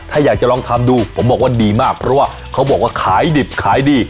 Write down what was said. ถ้าอยากจะลองทำดูผมบอกว่าดีมากเพราะว่าเขาบอกว่าขายดิบขายดี